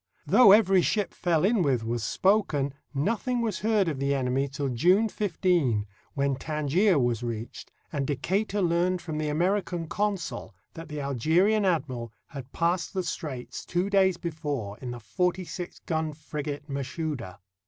Though every ship fell in with was spoken, nothing was heard of the enemy till June 15, when Tangier was reached, and Decatur learned from the American consul that the Algerian admiral had passed the straits two days before in the forty six gun frigate Mashouda.